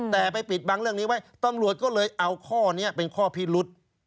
แต่ไปปิดบังเรื่องนี้ไว้ตำรวจก็เลยเอาข้อนี้เป็นข้อพิรุษ